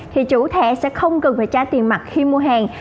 thì chủ thẻ sẽ không cần phải trả tiền mặt khi mua hàng